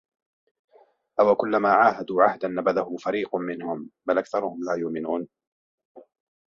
أَوَكُلَّمَا عَاهَدُوا عَهْدًا نَبَذَهُ فَرِيقٌ مِنْهُمْ ۚ بَلْ أَكْثَرُهُمْ لَا يُؤْمِنُونَ